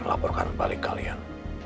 melaporkan balik kalian